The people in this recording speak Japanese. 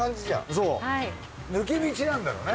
そう抜け道なんだろうね。